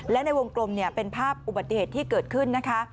และในวงกลมเป็นภาพอุบัติเหตุที่เกิดขึ้นนะคะ